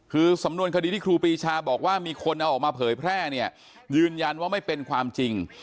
คือสำนวนคดีที่ครูปรีชาบอกว่ามีคนเอาออกมาเผยแพร่เนี่ยยืนยันว่าไม่เป็นความจริง